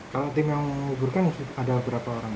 kalau tim yang menguburkan ada berapa orang